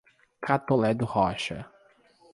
Catolé do Rocha